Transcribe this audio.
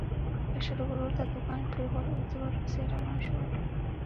کشر ورور ته دوکان پرېښود او زه ورپسې روان شوم.